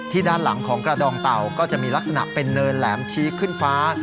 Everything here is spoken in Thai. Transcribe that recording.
ด้านหลังของกระดองเต่าก็จะมีลักษณะเป็นเนินแหลมชี้ขึ้นฟ้า